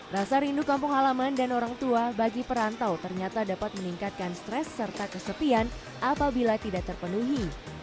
rasa rindu kampung halaman dan orang tua bagi perantau ternyata dapat meningkatkan stres serta kesepian apabila tidak terpenuhi